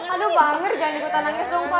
aduh pamir jangan ikutan nangis dong pak